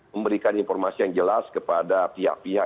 memberikan informasi yang jelas kepada pihak pihak